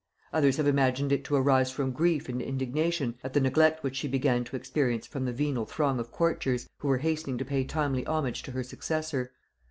Others have imagined it to arise from grief and indignation at the neglect which she began to experience from the venal throng of courtiers, who were hastening to pay timely homage to her successor.